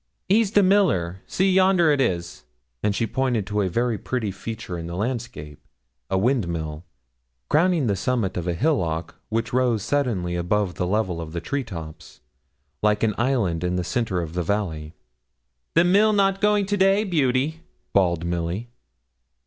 'He's the miller see, yonder it is,' and she pointed to a very pretty feature in the landscape, a windmill, crowning the summit of a hillock which rose suddenly above the level of the treetops, like an island in the centre of the valley. 'The mill not going to day, Beauty?' bawled Milly.